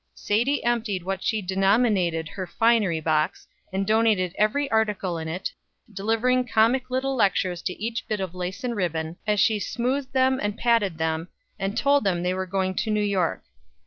Sadie emptied what she denominated her finery box, and donated every article in it, delivering comic little lectures to each bit of lace and ribbon, as she smoothed them and patted them, and told them they were going to New York.